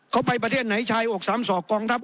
เขาไปประเทศไหนชายอกสามศอกกองทัพ